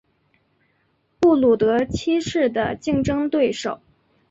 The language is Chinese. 布鲁德七世的竞争对手。